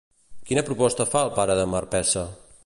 Quina proposta fa el pare de Marpessa?